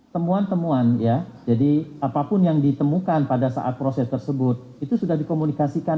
temuan temuan ya jadi apapun yang ditemukan pada saat proses tersebut itu sudah dikomunikasikan